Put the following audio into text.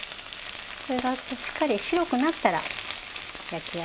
これがしっかり白くなったら焼き上がりですので。